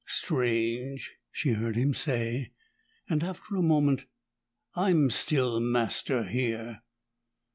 "Strange!" she heard him say, and after a moment, "I'm still master here!"